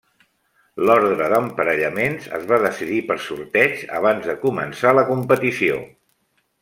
L'ordre d'emparellaments es va decidir per sorteig abans de començar la competició.